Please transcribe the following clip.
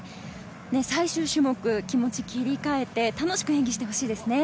最終種目、気持ちを切り替えて楽しく演技をしてほしいですね。